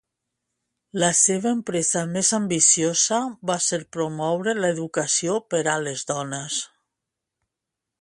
La seva empresa més ambiciosa va ser promoure l'educació per a les dones.